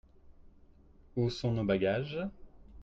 Où sont nos bagages ?…